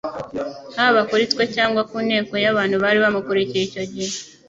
haba kuri twe cyangwa ku nteko y'abantu bari bamukurikiye icyo gihe.